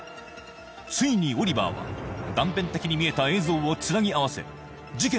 ついにオリバーは断片的に見えた映像をつなぎ合わせ事件